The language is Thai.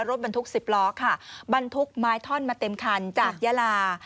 รถบรรทุก๑๐ล้อค่ะบรรทุกไม้ท่อนมาเต็มคันจากยาลา